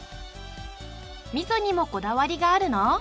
味噌にもこだわりがあるの？